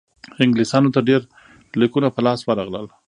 انګلیسیانو ته ډېر لیکونه په لاس ورغلل.